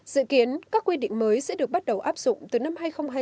dự kiến các quy định mới sẽ được bắt đầu áp dụng từ năm hai nghìn hai mươi